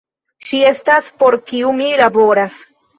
Ŝi estas, por kiu mi laboras.